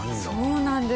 そうなんです。